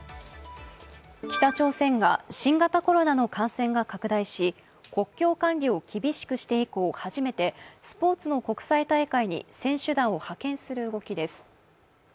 北朝鮮が新型コロナの感染が拡大し国境管理を厳しくして以降初めてスポーツの国際大会に選手団を派遣する動きです。